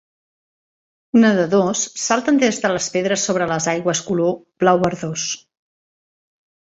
Nedadors salten des de les pedres sobre les aigües color blau verdós.